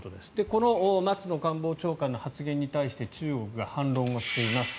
この松野官房長官の発言に対して中国が反論しています。